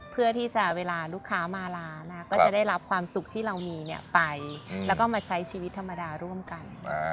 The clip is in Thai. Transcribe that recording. เพื่อที่จะเวลาลูกค้ามาร้านก็จะได้รับความสุขที่เรามีไปแล้วก็มาใช้ชีวิตธรรมดาร่วมกัน